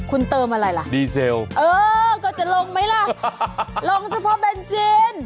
คุณเติมอะไรล่ะดีเซลเออก็จะลงไหมล่ะลงเฉพาะเบนจีน